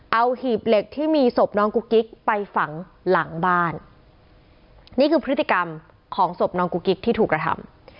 เอาหีบเหล็กที่มีศพน้องกุ๊กกิ๊กไปฝังหลังบ้านนี่คือพฤติกรรมของศพน้องกุ๊กกิ๊กที่ถูกกระทำ